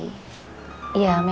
ya memang ustad jainal bukan anak umi